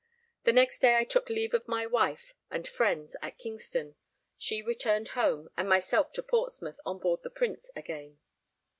The next day I took leave of my wife and friends at Kingston; she returned home, and myself to Portsmouth on board the Prince again.